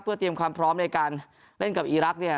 เพื่อเตรียมความพร้อมในการเล่นกับอีรักษ์เนี่ย